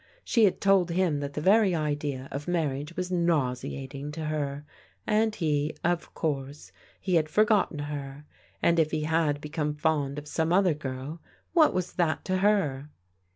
She had told him that the very idea of marriage was nau seating to her, and he, — of course, he had forgotten her, and if he had become fond of some other girl what was that to her?